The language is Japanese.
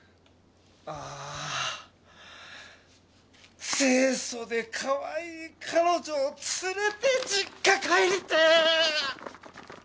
あぁ清楚でかわいい彼女をつれて実家帰りてぇ！